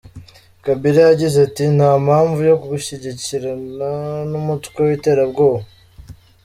Kabila yagize ati “Nta mpamvu yo gushyikirana n’umutwe w’iterabwoba.